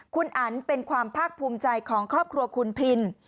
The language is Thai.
คุณอันเป็นความภาคภูมิใจของครอบครัวคุณพิน